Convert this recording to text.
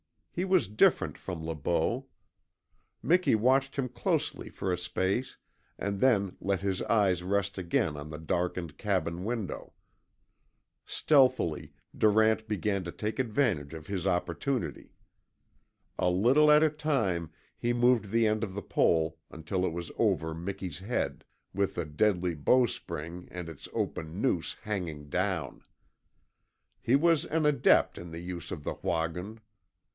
He was different from Le Beau. Miki watched him closely for a space and then let his eyes rest again on the darkened cabin window. Stealthily Durant began to take advantage of his opportunity. A little at a time he moved the end of the pole until it was over Miki's head, with the deadly bowstring and its open noose hanging down. He was an adept in the use of the WAHGUN.